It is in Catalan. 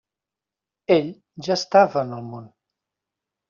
«Ell» ja estava en el món.